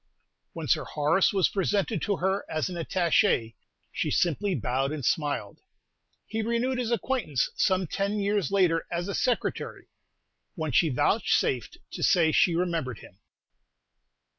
When Sir Horace was presented to her as an Attaché, she simply bowed and smiled. He renewed his acquaintance some ten years later as a Secretary, when she vouchsafed to say she remembered him.